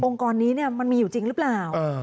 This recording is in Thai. กรนี้มันมีอยู่จริงหรือเปล่า